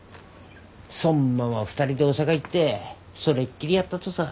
そんまま２人で大阪行ってそれっきりやったとさ。